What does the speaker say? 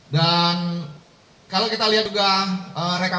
dan kalau kita lihat juga rekapitulasi pergerakan